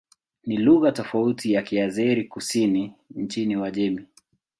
Ni lugha tofauti na Kiazeri-Kusini nchini Uajemi.